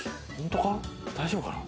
大丈夫かな？